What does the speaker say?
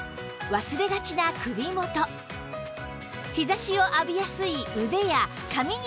忘れがちな首元日差しを浴びやすい腕や髪にもシュッ！